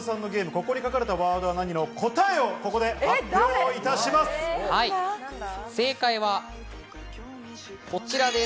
「ここに書かれたワードは何？」の答えをここで発表いたします。